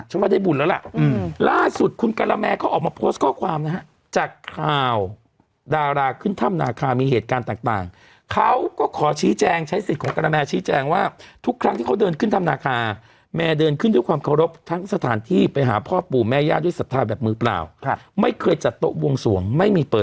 หรือว่าต้มไก่สดนะครับแล้วแต่แล้วแต่